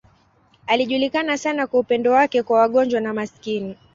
Alijulikana sana kwa upendo wake kwa wagonjwa na maskini.